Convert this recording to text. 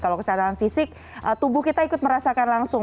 kalau kesehatan fisik tubuh kita ikut merasakan langsung